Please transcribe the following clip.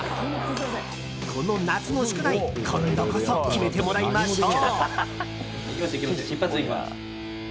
この夏の宿題今度こそ決めてもらいましょう！